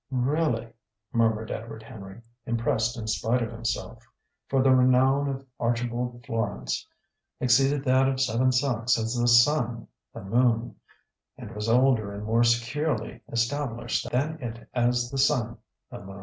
"Really!" murmured Edward Henry, impressed in spite of himself; for the renown of Archibald Florance exceeded that of Seven Sachs as the sun the moon, and was older and more securely established than it as the sun the moon.